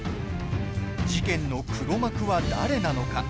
事件の黒幕は誰なのか。